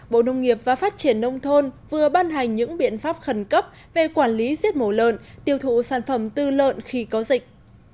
bộ nông nghiệp và phát triển nông thôn vừa ban hành những biện pháp khẩn cấp về quản lý giết mổ lợn tiêu thụ sản phẩm tư lợn khi có dịch